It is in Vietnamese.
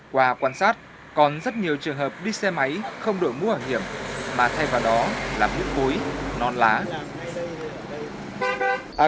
qua quan sát còn rất nhiều trường hợp đi xe máy không đổi mũ bảo hiểm mà thay vào đó là mũ cối non lá